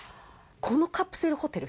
このカプセルホテル